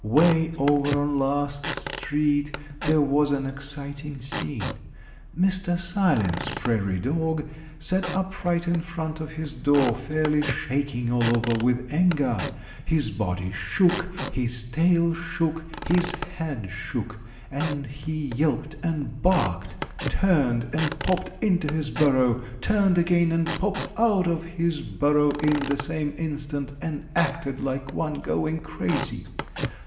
Way over on Last street there was an exciting scene. Mr. Silence Prairie Dog sat upright in front of his door fairly shaking all over with anger. His body shook, his tail shook, his head shook, and he yelped and barked turned and popped into his burrow turned again and popped out of his burrow in the same instant, and acted like one going crazy.